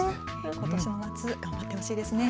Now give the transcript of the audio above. ことしの夏、頑張ってほしいですね。